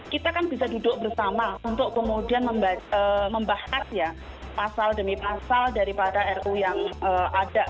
kita kan bisa duduk bersama untuk kemudian membahas ya pasal demi pasal daripada ru yang ada